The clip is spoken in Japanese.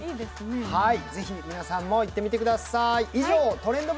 ぜひ、皆さんも行ってみてください。